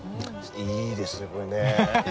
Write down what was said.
いいですねこれね。